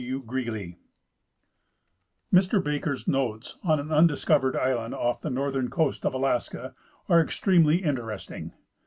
W. GREELY Mr Baker's notes on "An undiscovered island off" the northern coast of Alaska " are extremely interesting.